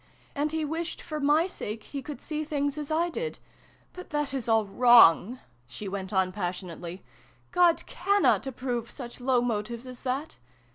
And he wished, for my sake, he could see things as I did. But that is all wrong !" she went on passionately. " God cannot approve such low motives as that